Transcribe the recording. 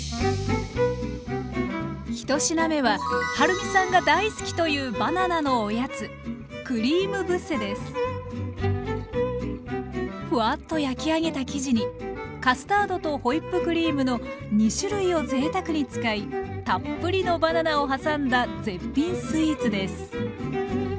１品目ははるみさんが大好きというバナナのおやつフワッと焼き上げた生地にカスタードとホイップクリームの２種類をぜいたくに使いたっぷりのバナナを挟んだ絶品スイーツです！